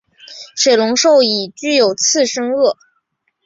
水龙兽已具有次生腭。